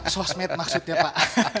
sosmed maksudnya pak